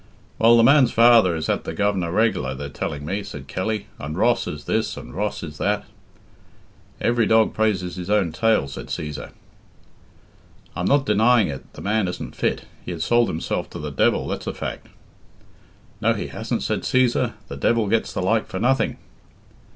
"Well, the man's father is at the Govenar reg'lar, they're telling me," said Kelly, "and Ross is this, and Ross is that " "Every dog praises his own tail," said Cæsar. "I'm not denying it, the man isn't fit he has sold himself to the devil, that's a fact " "No, he hasn't," said Cæsar, "the devil gets the like for nothing."